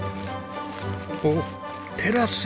おっテラス席。